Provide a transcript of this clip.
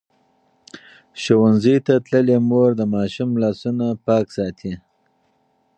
ښوونځې تللې مور د ماشوم لاسونه پاک ساتي.